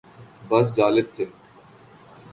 بس جالب تھے۔